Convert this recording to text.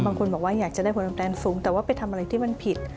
บางคนบอกว่าอยากจะได้ผลตอบแทนสูงแต่ว่าไปทำอะไรที่มันผิด